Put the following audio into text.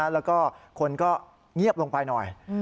แล้วก็คนก็เงียบลงไปหน่อย